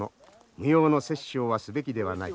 無用の殺生はすべきではない。